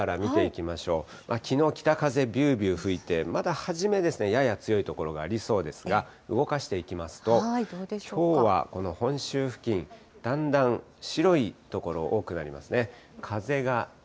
きのう北風びゅーびゅー吹いて、まだ初めですね、やや強い所がありそうですが、動かしていきますと、きょうはこの本州付近、だんだん白い所多くなりますね。